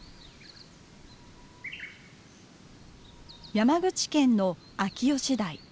山口県の秋吉台。